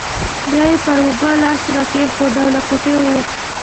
بیا یې پر اوږه لاس راکښېښود او له کوټې ووت.